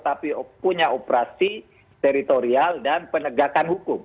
tapi punya operasi teritorial dan penegakan hukum